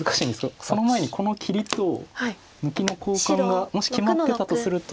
その前にこの切りと抜きの交換がもし決まってたとすると。